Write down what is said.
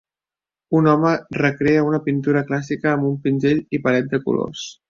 Un home recrea una pintura clàssica amb un pinzell i palet de colors